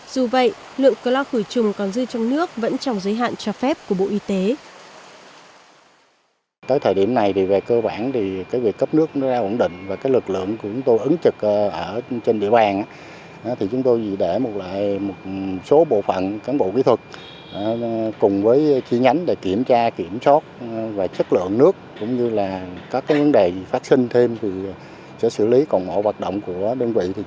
dù vậy lượng cơ lo khử trùng còn dư trong nước vẫn trong giới hạn cho phép của bộ y tế